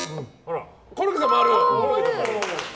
コロッケさんはある。